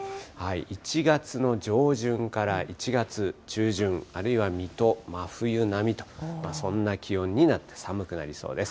１月の上旬から１月中旬、あるいは水戸、真冬並みと、そんな気温になって、寒くなりそうです。